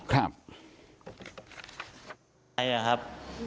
ครับ